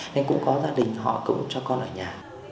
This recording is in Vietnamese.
nên cũng có gia đình họ cũng cho con ở nhà